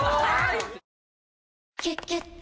「キュキュット」